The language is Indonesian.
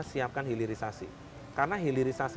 siapkan hilirisasi karena hilirisasi